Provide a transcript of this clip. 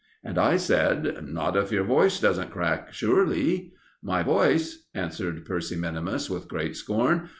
And I said: "Not if your voice doesn't crack, surely?" "My voice!" answered Percy minimus with great scorn.